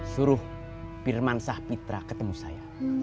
suruh firman safitra ketemu saya